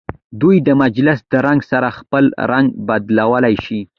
دوی د مجلس د رنګ سره خپل رنګ بدلولی شي.